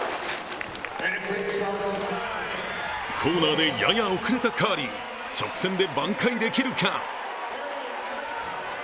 コーナーでやや遅れたカーリー、直線で挽回できるか。